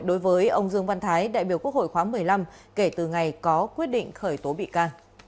đối với ông dương văn thái đại biểu quốc hội khóa một mươi năm kể từ ngày có quyết định khởi tố bị ca